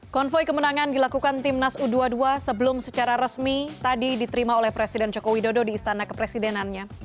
konvoy kemenangan dilakukan timnas u dua puluh dua sebelum secara resmi tadi diterima oleh presiden joko widodo di istana kepresidenannya